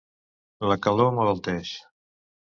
La calor m'abalteix.